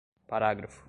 Parágrafo